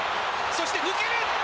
そして、抜ける。